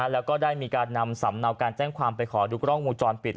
แล้วก็ได้มีการนำสำเนาการแจ้งความไปขอดูกล้องวงจรปิด